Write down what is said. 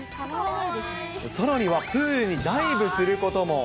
さらにはプールにダイブすることも。